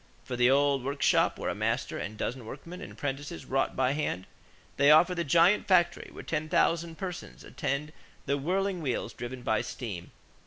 For the old workshop where a master and a dozen workmen and apprentices wrought by hand, they offer the giant factory where ten thousand persons attend the whirling wheels driven by steam.